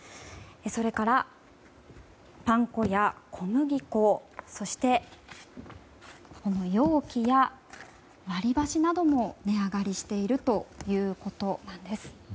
それから、パン粉や小麦粉そして、容器や割り箸なども値上がりしているということです。